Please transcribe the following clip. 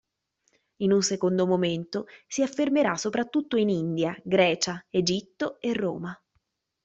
In un secondo momento, si affermerà soprattutto in India, Grecia, Egitto e Roma.